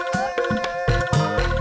gak ambil ungklah